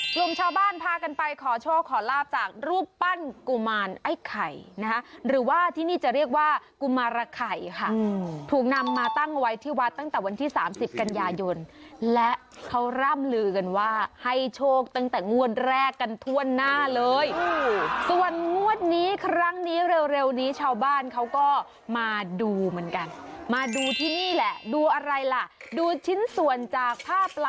กลุ่มชาวบ้านพากันไปขอโชคขอลาบจากรูปปั้นกุมารไอ้ไข่นะคะหรือว่าที่นี่จะเรียกว่ากุมารไข่ค่ะถูกนำมาตั้งไว้ที่วัดตั้งแต่วันที่๓๐กันยายนและเขาร่ำลือกันว่าให้โชคตั้งแต่งวดแรกกันทั่วหน้าเลยส่วนงวดนี้ครั้งนี้เร็วนี้ชาวบ้านเขาก็มาดูเหมือนกันมาดูที่นี่แหละดูอะไรล่ะดูชิ้นส่วนจากภาพ